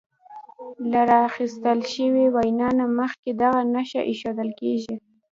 له راخیستل شوې وینا نه مخکې دغه نښه ایښودل کیږي.